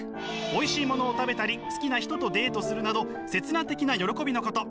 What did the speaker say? おいしいものを食べたり好きな人とデートするなど刹那的な喜びのこと。